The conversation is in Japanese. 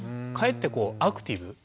かえってこうアクティブ。